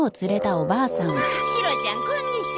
まあシロちゃんこんにちは。